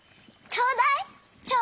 ちょうだい！